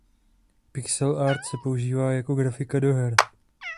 Pixel art se používá jako grafika do her.